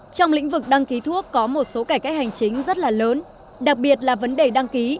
trong lĩnh vực đăng ký thuốc có một số cải cách hành chính rất là lớn đặc biệt là vấn đề đăng ký